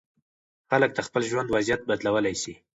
خلک د خپل ژوند وضعیت بدلولی سي.